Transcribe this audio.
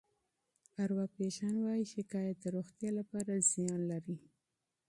ارواپيژان وايي شکایت د روغتیا لپاره زیان لري.